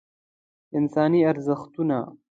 انساني ارزښتونه